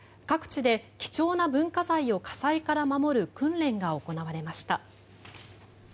各地で貴重な文化財を火災から守る訓練が行われました。